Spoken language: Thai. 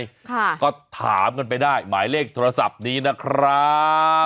ค่ะก็ถามกันไปได้หมายเลขโทรศัพท์นี้นะครับ